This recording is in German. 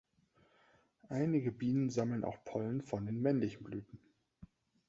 Einige Bienen sammeln auch Pollen von den männlichen Blüten.